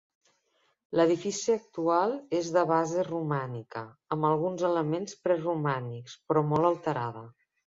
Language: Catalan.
L'edifici actual és de base romànica, amb alguns elements preromànics, però molt alterada.